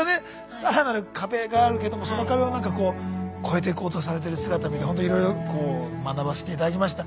さらなる壁があるけどもその壁を何かこう越えていこうとされてる姿見てほんといろいろ学ばせて頂きました。